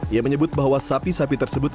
ia menyebut bahwa sapi sapi tersebut